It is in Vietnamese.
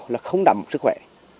là không đảm sức khỏe